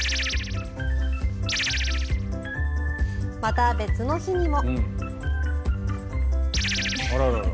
また、別の日にも。